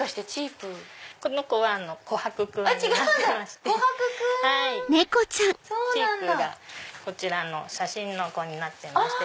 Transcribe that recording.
ちぃぷぅがこちらの写真の子になってます。